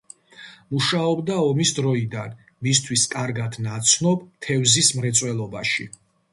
მუშაობდა ომის დროიდან მისთვის კარგად ნაცნობ თევზის მრეწველობაში.